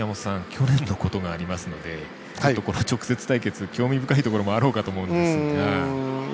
去年のことがありますのでこの直接対決、興味深いところもあろうかと思いますが。